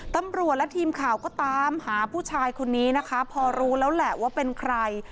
ตำรวจและทีมข่าวก็ตามหาผู้ชายคนนี้นะคะพอรู้แล้วแหละว่าเป็นใคร